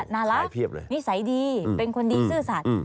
น่ารักนิสัยดีเป็นคนดีซื่อสัตว์